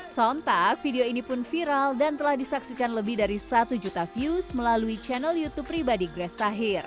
sontak video ini pun viral dan telah disaksikan lebih dari satu juta views melalui channel youtube pribadi grace tahir